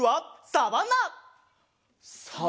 サバンナ？